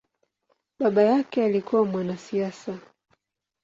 Baba yake alikua mwanasiasa.